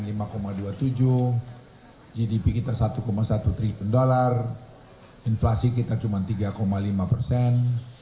nah gdp kita satu satu triliun dolar inflasi kita cuma tiga lima persen